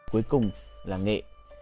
cuối cùng là nghệ